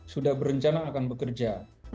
sudah berencana akan bekerja